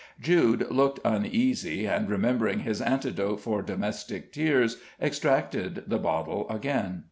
Jude looked uneasy, and remembering his antidote for domestic tears, extracted the bottle again.